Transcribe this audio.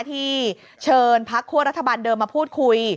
ที่เชิญพักคั่วรัฐบาลเดิมมาพูดคุย